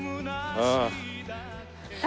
「ああ」。